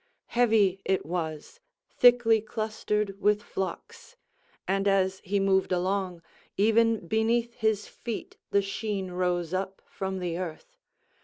Heavy it was, thickly clustered with flocks; and as he moved along, even beneath his feet the sheen rose up from the earth.